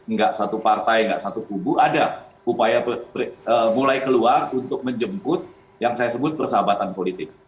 nggak satu partai nggak satu kubu ada upaya mulai keluar untuk menjemput yang saya sebut persahabatan politik